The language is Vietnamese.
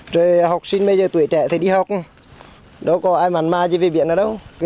rồi học sinh bây giờ tuổi trẻ thì đi học đâu có ai màn ma gì về biển nào đâu